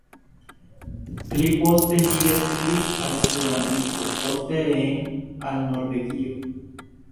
Pli poste li veturis al suda Ameriko, poste reen al Norvegio.